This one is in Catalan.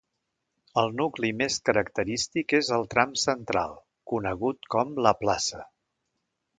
El nucli més característic és el tram central, conegut com la Plaça.